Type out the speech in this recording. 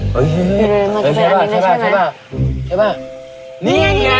เว้ยมาเจออันนี้ใช่ไหม